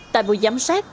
tại buổi giám sát